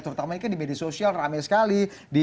terutama ini kan di media sosial rame sekali